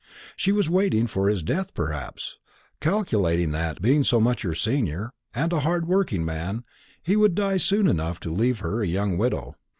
She was waiting for his death perhaps; calculating that, being so much her senior, and a hard working man, he would die soon enough to leave her a young widow.